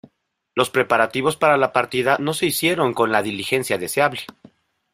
Los preparativos para la partida no se hicieron con la diligencia deseable.